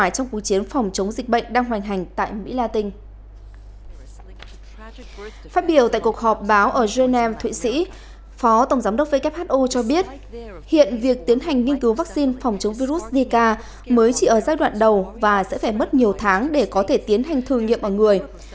phát biểu tại cuộc họp báo ở geneva thụy sĩ phó tổng giám đốc who cho biết hiện việc tiến hành nghiên cứu vaccine phòng chống virus zika mới chỉ ở giai đoạn đầu và sẽ phải mất nhiều tháng để có thể tiến hành thử nghiệm ở người